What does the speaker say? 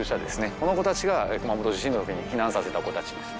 この子達が熊本地震のときに避難させた子達ですね